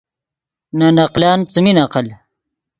نے نقلن څیمین عقل